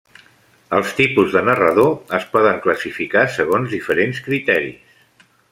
Els tipus de narrador es poden classificar segons diferents criteris.